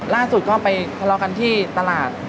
ล่าสุดก็ไปทะเลาะกันที่ตลาด